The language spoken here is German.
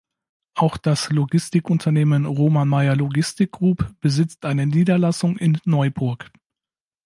Auch das Logistikunternehmen Roman Mayer Logistik Group besitzt eine Niederlassung in Neuburg.